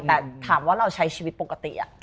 แต่ถามว่าเราใช้ชีวิตปกติ